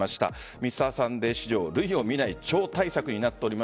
「Ｍｒ．サンデー」史上類を見ない超大作になっております。